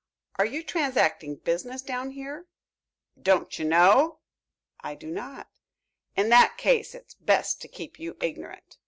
"Are you transacting business down here?" "Don't you know?" "I do not." "In that case, it's best to keep you ignorant."